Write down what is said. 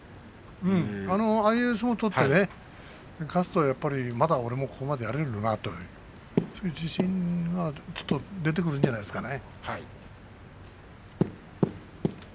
ああいう相撲を取って勝つとやっぱりまだ俺もここまでやれるんだという自信が出てくるんじゃないですかね。